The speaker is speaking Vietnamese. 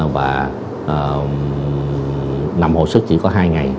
và nằm hồi sức chỉ có hai ngày